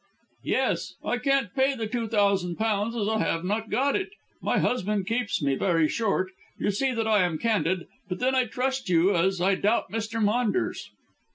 "Yes. I can't pay the two thousand pounds, as I have not got it. My husband keeps me very short. You see that I am candid; but then I trust you, as I doubt Mr. Maunders."